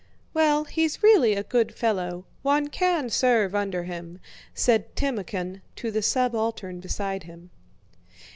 "Well, he's really a good fellow, one can serve under him," said Timókhin to the subaltern beside him.